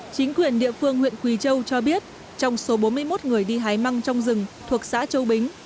chính quyền địa phương huyện quỳ châu cho biết trong số bốn mươi một người đi hái măng trong rừng thuộc xã châu bính